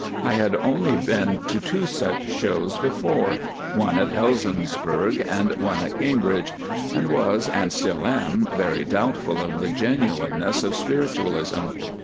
I had only been to two such shows before—one at Helensburgh and one at Cambridge—and was, and still am, very doubtful of the genuineness of spiritualism.